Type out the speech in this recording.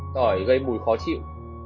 tỏi gây mùi khó chịu